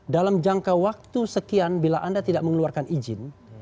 dalam jangka waktu sekian bila anda tidak mengeluarkan izin